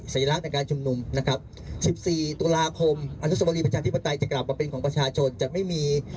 สัญลักษณ์ในการชุมนุ่ม๑๔ตุลาคม